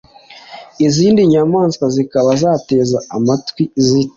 Izindi nyamaswa zikaba zateze amatwi ziti: